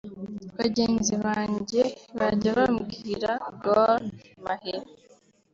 Bagenzi banjye bajya bambwira Gor Mahia